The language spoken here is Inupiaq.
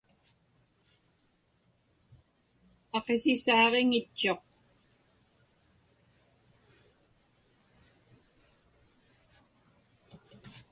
Aqisisaaġiŋitchuq.